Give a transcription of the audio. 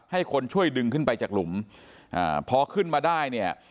ให้คนช่วยดึงขึ้นไปจากหลุมอ่าพอขึ้นมาได้เนี่ย